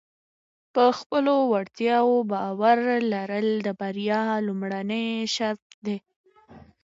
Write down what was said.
په خپلو وړتیاو باور لرل د بریا لومړنی شرط دی.